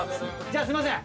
じゃあすいません。